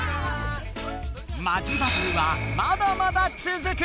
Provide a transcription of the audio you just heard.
マジバトルはまだまだつづく！